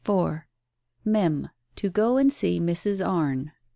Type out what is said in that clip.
IV "Mem.: to go and see Mrs. Arne."